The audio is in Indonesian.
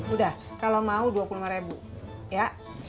udah kalau mau dua puluh lima ribu ya